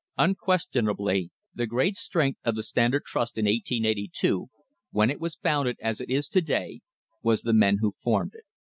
Unquestionably the great strength of the Standard Trust in 1882, when it was founded as it is to day, was the men who formed it.